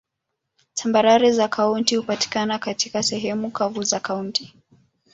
Tambarare za kaunti hupatikana katika sehemu kavu za kaunti.